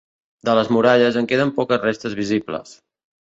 De les muralles, en queden poques restes visibles.